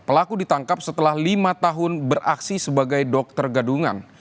pelaku ditangkap setelah lima tahun beraksi sebagai dokter gadungan